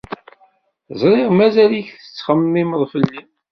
Ẓriɣ mazal-ik tettxemmimeḍ fell-i.